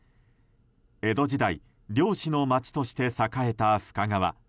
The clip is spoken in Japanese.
江戸時代、漁師の街として栄えた深川。